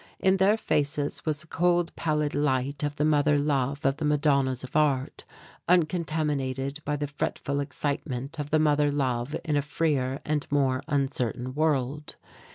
In their faces was the cold, pallid light of the mother love of the madonnas of art, uncontaminated by the fretful excitement of the mother love in a freer and more uncertain world.